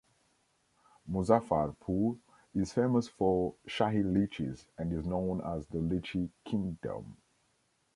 Muzaffarpur is famous for Shahi lychees and is known as the Lychee Kingdom.